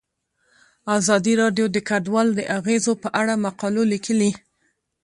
ازادي راډیو د کډوال د اغیزو په اړه مقالو لیکلي.